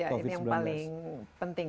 ya itu yang paling penting